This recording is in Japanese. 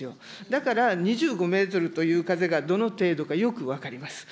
だから、２５メートルという風がどの程度かよく分かります。